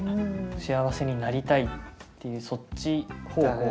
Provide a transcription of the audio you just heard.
幸せになりたいっていうそっち方向の。